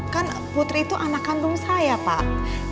kan putri itu anak kandung saya pak